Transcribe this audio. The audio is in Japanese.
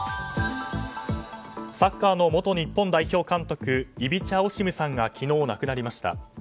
サッカーの元日本代表監督イビチャ・オシムさんが昨日亡くなりました。